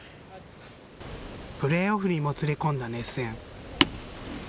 プレーオフにもつれ込んだ熱戦。